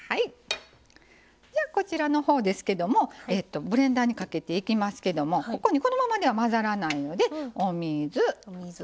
こちらのほうですけどもブレンダーにかけていきますけどもこのままでは混ざらないのでお水。